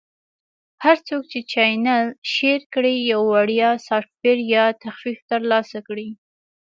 - هر څوک چې چینل Share کړي، یو وړیا سافټویر یا تخفیف ترلاسه کړي.